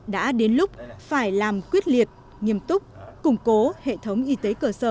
đã đến lúc phải làm quyết liệt